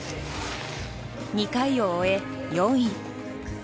２回を終え、４位。